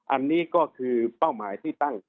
อันนี้ก็คือเป้าหมายที่ตั้ง